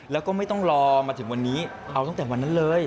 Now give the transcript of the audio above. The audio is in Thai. แล้วก็ไม่ต้องรอมาถึงวันนี้